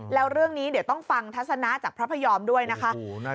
แล้วเรื่องนี้เดี๋ยวต้องฟังทัศนะจากพระพยอมด้วยนะคะ